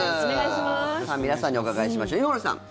皆さんにお伺いしましょう井森さん。